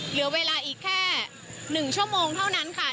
เหลือเวลาอีกแค่๑ชั่วโมงเท่านั้นค่ะ